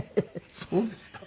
そうですか。